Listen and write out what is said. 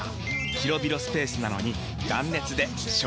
広々スペースなのに断熱で省エネ！